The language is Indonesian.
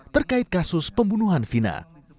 terkait kasus pembunuhan vina